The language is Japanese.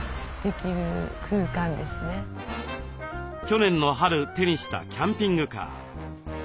去年の春手にしたキャンピングカー。